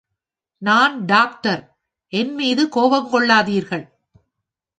நான் டாக்டர், என் மீது கோபம் கொள்ளாதீர்கள்!